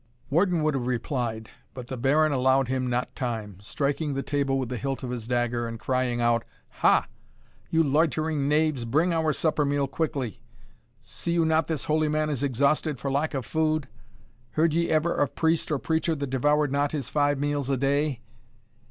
Warden would have replied; but the Baron allowed him not time, striking the table with the hilt of his dagger, and crying out, "Ha! you loitering knaves, bring our supper meal quickly. See you not this holy man is exhausted for lack of food? heard ye ever of priest or preacher that devoured not his five meals a day?"